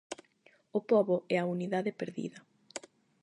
O pobo e a unidade perdida.